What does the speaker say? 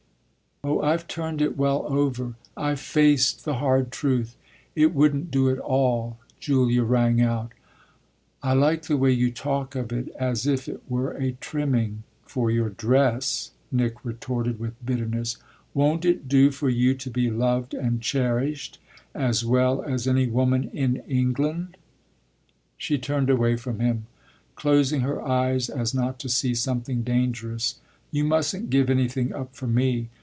"Oh I've turned it well over. I've faced the hard truth. It wouldn't do at all!" Julia rang out. "I like the way you talk of it as if it were a trimming for your dress!" Nick retorted with bitterness. "Won't it do for you to be loved and cherished as well as any woman in England?" She turned away from him, closing her eyes as not to see something dangerous. "You mustn't give anything up for me.